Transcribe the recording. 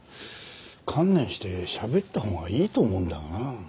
観念して喋ったほうがいいと思うんだがな。